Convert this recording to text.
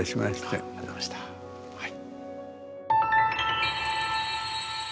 ありがとうございましたはい。